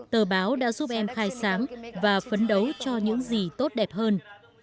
tờ báo đã giúp em khai sáng và phấn đấu cho những gì tốt đẹp hơn